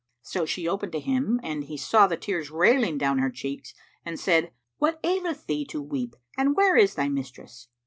So she opened to him and he saw the tears railing down her cheeks and said, "What aileth thee to weep and where is thy mistress?"